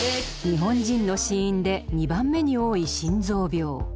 日本人の死因で２番目に多い心臓病。